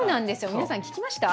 皆さん聞きました？